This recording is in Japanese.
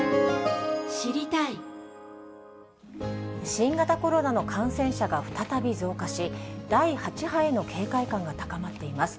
新型コロナの感染者が再び増加し、第８波への警戒感が高まっています。